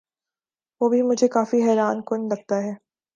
وہ بھی مجھے کافی حیران کن لگتا ہے۔